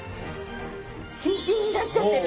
新品になっちゃってる！